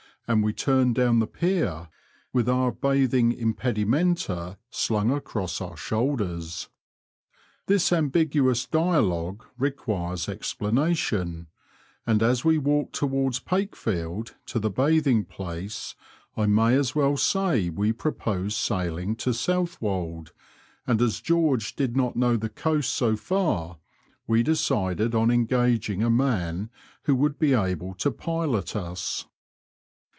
and we turned down the Pier with our bathing impedimenta slung across our shoulders. This ambiguous dialogue requires explanation, and as we walk towards Pakefield to the bathing place I may as well say we proposed sailing to Southwold, and as George did not know the coast so far, we decided on engaging a man who would be able to pilot us.